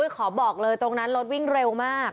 ขอบอกเลยตรงนั้นรถวิ่งเร็วมาก